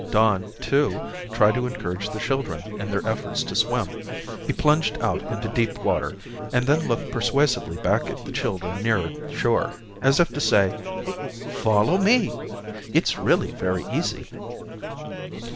Don, too, tried to encourage the children in their efforts to swim. He plunged out into deep water, and then looked persuasively back at the children nearer shore, as if to say: "Follow me. It's really very easy."